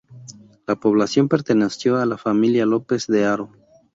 La población perteneció a la familia López de Haro.